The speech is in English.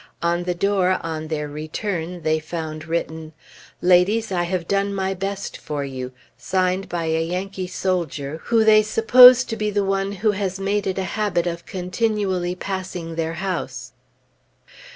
On the door, on their return, they found written, "Ladies, I have done my best for you," signed by a Yankee soldier, who they suppose to be the one who has made it a habit of continually passing their house.